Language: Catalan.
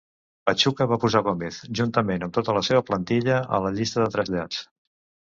Pachuca va posar Gomez, juntament amb tota la seva plantilla, a la llista de trasllats.